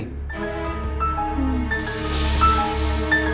mbak ada belanja disini